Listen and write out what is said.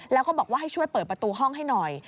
แล้วก็บอกว่าให้ช่วยเปิดประตูห้องให้หน่อย